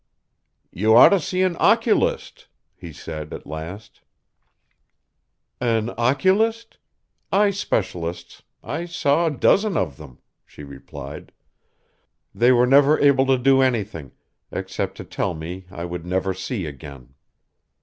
"You ought to see an oculist," he said at last. "An oculist? Eye specialists I saw a dozen of them," she replied. "They were never able to do anything except to tell me I would never see again.